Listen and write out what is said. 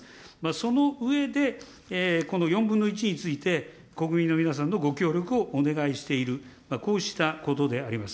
その上で、この４分の１について国民の皆さんのご協力をお願いしている、こうしたことであります。